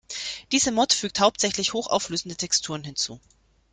Diese Mod fügt hauptsächlich hochauflösende Texturen hinzu.